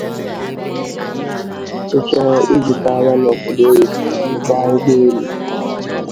ị chọọ ịzụta ahịa n’obodo oyibo ị gbaa ụgbọelu